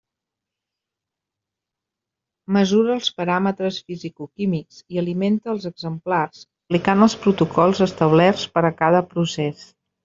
Mesura els paràmetres fisicoquímics i alimenta als exemplars aplicant els protocols establerts per a cada procés.